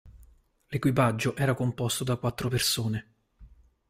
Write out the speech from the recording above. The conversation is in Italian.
L'equipaggio era composto da quattro persone.